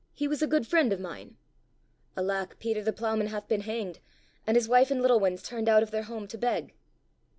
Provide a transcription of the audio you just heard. He was a good friend of mine." "Alack, Peter the Ploughman hath been hanged and his wife and little ones turned out of their home to beg."